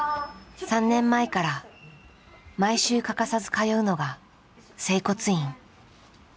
３年前から毎週欠かさず通うのが整骨院。